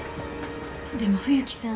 でも冬木さん